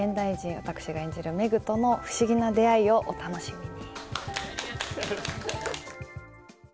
私が演じる廻との不思議な出会いをお楽しみに。